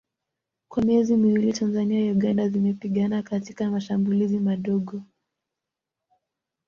Kwa miezi miwili Tanzania na Uganda zilipigana katika mashambulizi madogo